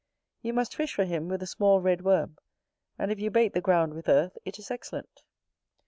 You must fish for him with a small red worm; and if you bait the ground with earth, it is excellent.